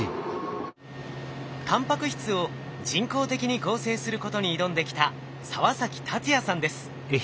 タンパク質を人工的に合成することに挑んできた澤崎達也さんです。